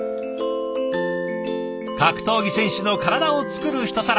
格闘技選手の体を作るひと皿。